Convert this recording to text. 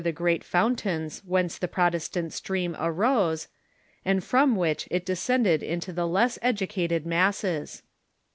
ties were tlie great fountains whence the Protestant stream arose, and from wbicli it descended into the less educated masses.